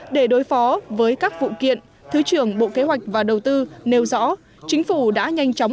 để đối phó với các vụ kiện thứ trưởng bộ kế hoạch và đầu tư nêu rõ chính phủ đã nhanh chóng